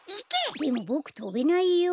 でもボクとべないよ。